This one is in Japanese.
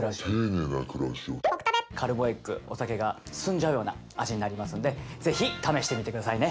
カルボエッグお酒が進んじゃうような味になりますので是非試してみてくださいね！